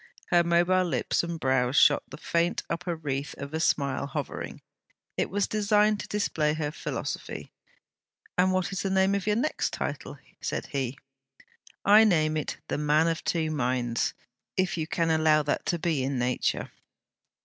Her mobile lips and brows shot the faint upper wreath of a smile hovering. It was designed to display her philosophy. 'And what is the name of your next?' said he. 'I name it THE MAN OF TWO MINDS, if you can allow that to be in nature.'